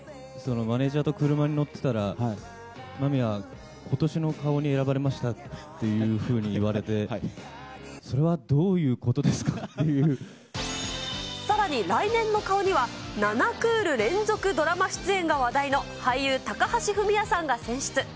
マネージャーと車に乗ってたら、間宮、今年の顔に選ばれましたっていうふうに言われて、それはどういうさらに来年の顔には、７クール連続ドラマ出演が話題の俳優、高橋文哉さんが選出。